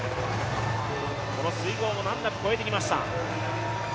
この水濠も難なく越えていきました。